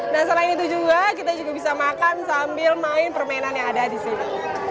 dan selain itu juga kita juga bisa makan sambil main permainan yang ada di sini